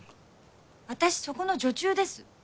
私そこの女中です。